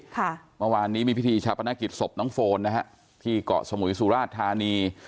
เมื่อวานนี้มีพิธีชาปนกิจศพน้องโฟนนะฮะที่เกาะสมุยสุราชธานี